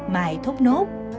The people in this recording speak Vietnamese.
mài thốt nốt